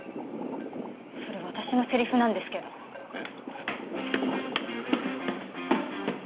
それ私のセリフなんですけどえっ？